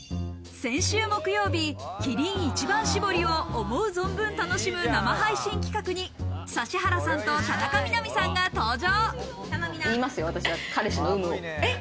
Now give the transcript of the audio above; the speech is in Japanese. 先週木曜日、キリン一番搾りを思う存分楽しむ生配信企画に指原さんと田中みな実さんが登場。